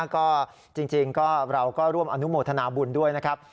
ก็จริงก็เราก็ร่วมอนุโมทนาบุญด้วยนะครับ